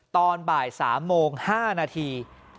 ตอนบ่าย๓โมง๕นาที